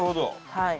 はい。